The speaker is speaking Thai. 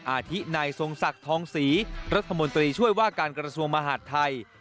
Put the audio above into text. อาทินายทรงศักดิ์ทองศรีรัฐมนตรีช่วยว่าการกระทรวงมหาดไทย